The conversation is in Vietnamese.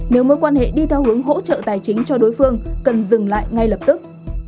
nếu mối quan hệ đi theo hướng hỗ trợ tài chính cho đối phương cần dừng lại ngay lập tức